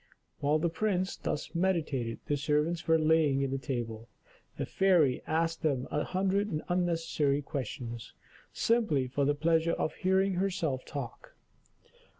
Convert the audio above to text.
While the prince thus meditated, the servants were laying the table, the fairy asking them a hundred unnecessary questions, simply for the pleasure of hearing herself talk.